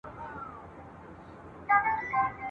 خوار په هندوستان هم خوار وي ..